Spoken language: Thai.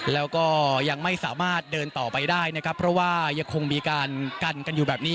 แล้วก็ยังไม่สามารถเดินต่อไปได้นะครับเพราะว่ายังคงมีการกันกันอยู่แบบนี้